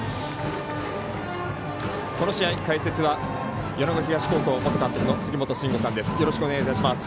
この試合、解説は米子東高校元監督の杉本真吾さんです。